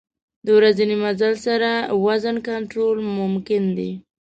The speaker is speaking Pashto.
د ورځني مزل سره وزن کنټرول ممکن دی.